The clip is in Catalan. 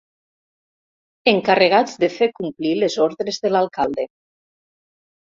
Encarregats de fer complir les ordres de l'alcalde.